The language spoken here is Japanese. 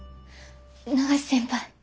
永瀬先輩。